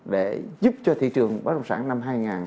để giúp cho thị trường bóng sản năm hai nghìn hai mươi